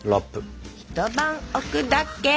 一晩置くだけ。